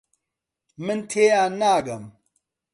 من تێیان ناگەم.